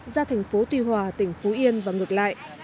ra thành phố tuy hòa tỉnh phú yên và ngược lại